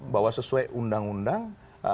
bahwa sesuai undang undang empat puluh lima